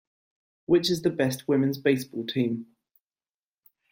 Which is the best women's baseball team?